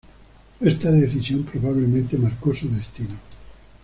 Esta decisión probablemente marcó su destino.